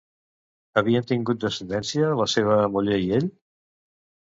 Havien tingut descendència la seva muller i ell?